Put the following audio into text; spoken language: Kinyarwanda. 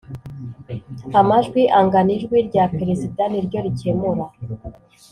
amajwi angana ijwi rya Perezida niryo rikemura